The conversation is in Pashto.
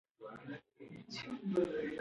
هیلې غوښتل چې د خپلې مور په څېر ښوونکې شي.